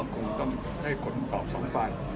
การเป็นสะสอเป็นให้คนตอบสองฝ่าย